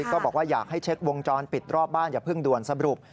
ก็บอกว่าอยากให้เช็ควงจรปิดรอบบ้านอย่าเพิ่งด่วนสรุป